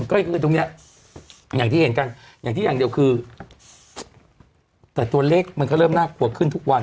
ก็คือตรงเนี้ยอย่างที่เห็นกันอย่างที่อย่างเดียวคือแต่ตัวเลขมันก็เริ่มน่ากลัวขึ้นทุกวัน